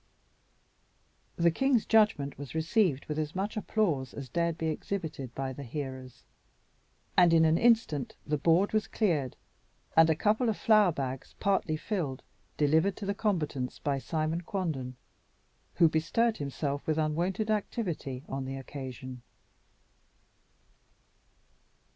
The king's judgment was received with as much applause as dared be exhibited by the hearers; and in an instant the board was cleared, and a couple of flour bags partly filled delivered to the combatants by Simon Quanden, who bestirred himself with unwonted activity on the occasion.